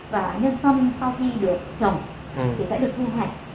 và nhân dân sau khi được trồng thì sẽ được thu hoạch